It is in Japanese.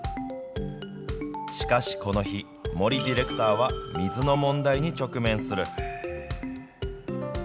しかしこの日、森ディレクターは水の問題に直面する。